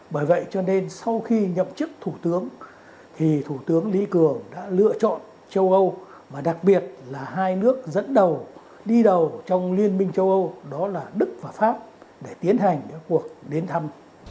bởi vậy cho nên sau khi nhậm chức thủ tướng thì thủ tướng lý cường đã lựa chọn châu âu và đặc biệt là hai nước dẫn đầu đi đầu trong liên minh châu âu đó là đức và pháp để tiến hành cuộc đến thăm